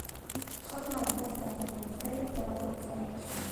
გთხოვ, მაგიდაზე დატოვებული წერილი ყურადღებით წაიკითხო.